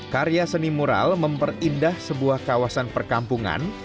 karya seni mural memperindah sebuah kawasan perkampungan